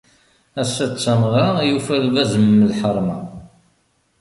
Ass-a d tameɣra, yufa lbaz m lḥerma.